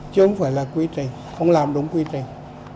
chứ không phải là quy trình không làm đúng quy trình